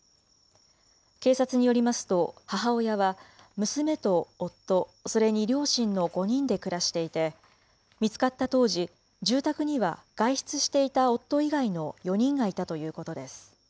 警察によりますと、母親は娘と夫、それに両親の５人で暮らしていて、見つかった当時、住宅には外出していた夫以外の４人がいたということです。